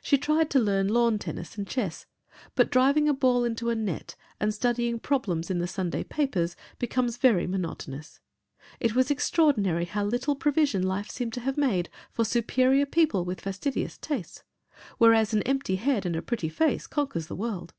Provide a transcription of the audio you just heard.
She tried to learn lawn tennis and chess, but driving a ball into a net and studying problems in the Sunday papers becomes very monotonous. It was extraordinary how little provision life seemed to have made for superior people with fastidious tastes, whereas an empty head and a pretty face conquers the world!